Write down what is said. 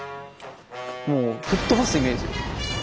もう吹っ飛ばすイメージ。